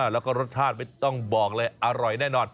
แล้วก็รสชาติไม่ต้องบอกเลยอร่อยแน่นอน